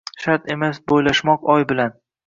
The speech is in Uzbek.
shart emas boʼylashmoq oy bilan